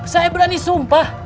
saya berani sumpah